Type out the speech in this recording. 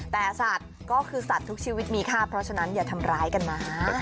แต่สัตว์ก็คือสัตว์ทุกชีวิตมีค่าเพราะฉะนั้นอย่าทำร้ายกันนะ